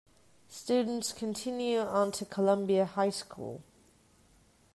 Students continue on to Columbia High School.